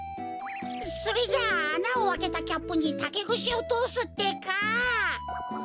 それじゃああなをあけたキャップにたけぐしをとおすってか。